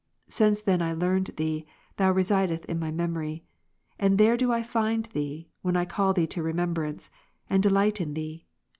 Since then I learned Thee, Thou residest in my memory ; and there do I find Thee, when I call Thee to remembrance, and delight in Thee.